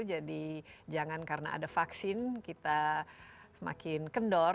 jadi jangan karena ada vaksin kita semakin kendor